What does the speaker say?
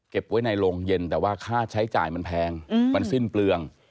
ไว้ในโรงเย็นแต่ว่าค่าใช้จ่ายมันแพงมันสิ้นเปลือง